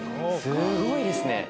すごいですね。